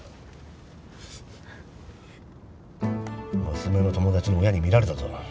娘の友達の親に見られたぞ。